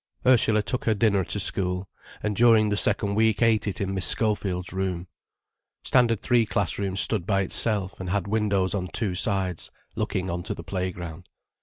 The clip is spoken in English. Ursula took her dinner to school, and during the second week ate it in Miss Schofield's room. Standard Three classroom stood by itself and had windows on two sides, looking on to the playground.